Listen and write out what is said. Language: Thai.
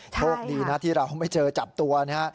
โชคดีนะที่เราไม่เจอจับตัวนะฮะ